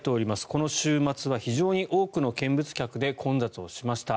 この週末は非常に多くの見物客で混雑をしました。